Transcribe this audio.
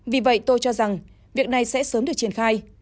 vì vậy tôi cho rằng việc này sẽ sớm được triển khai